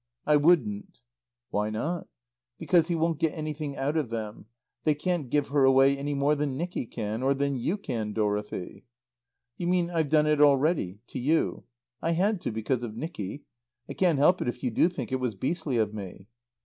I wouldn't." "Why not?" "Because he won't get anything out of them. They can't give her away any more than Nicky can. Or than you can, Dorothy." "You mean I've done it already to you. I had to, because of Nicky. I can't help it if you do think it was beastly of me."